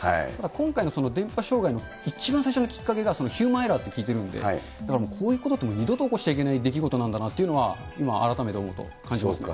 今回の電波障害の一番最初のきっかけが、ヒューマンエラーって聞いてるんで、だからこういうことって二度と起こしてはいけない出来事なんだなって、今、改めて思うと感じますね。